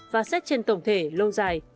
và xét trên tổng thể lâu dài